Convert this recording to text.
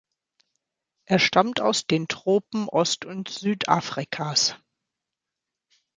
Er stammt aus den Tropen Ost- und Südafrikas.